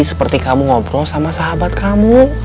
seperti kamu ngobrol sama sahabat kamu